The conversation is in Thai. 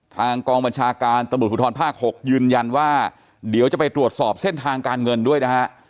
ทางกองบัญชาการตำรวจภูทรภาค๖ยืนยันว่าเดี๋ยวจะไปตรวจสอบเส้นทางการเงินด้วยนะฮะ